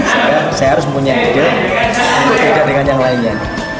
sebenarnya saya harus punya ide yang berbeda dengan yang lainnya